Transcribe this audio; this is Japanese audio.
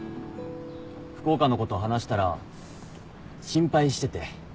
福岡のこと話したら心配してて。